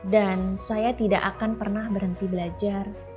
dan saya tidak akan pernah berhenti belajar